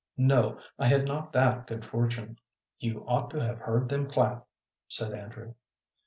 "No, I had not that good fortune." "You ought to have heard them clap," said Andrew.